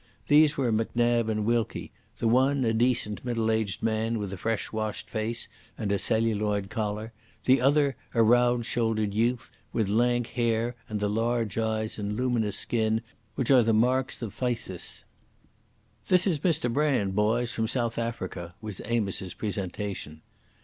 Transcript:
These were Macnab and Wilkie: the one a decent middle aged man with a fresh washed face and a celluloid collar, the other a round shouldered youth, with lank hair and the large eyes and luminous skin which are the marks of phthisis. "This is Mr Brand boys, from South Africa," was Amos's presentation.